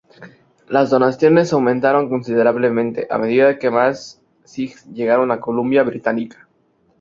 Las donaciones aumentaron considerablemente, a medida que más sijs llegaron a la Columbia Británica.